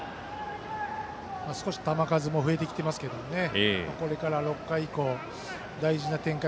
少し球数も増えてきていますけどこれから６回以降、大事な展開。